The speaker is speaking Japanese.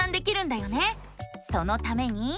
そのために。